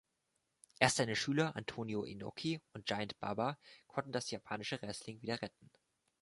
Erst seine Schüler Antonio Inoki und Giant Baba konnten das japanische Wrestling wieder retten.